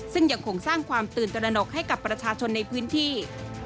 ซึ่งยังคงสร้างความตื่นตระหนกให้กับประชาชนในพื้นที่